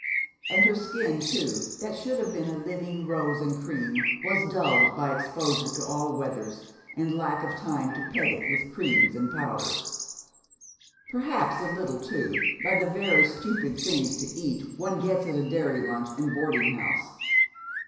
And her skin, too, that should have been a living rose and cream, was dulled by exposure to all weathers, and lack of time to pet it with creams and powders; perhaps a little, too, by the very stupid things to eat one gets at a dairy lunch and boarding house.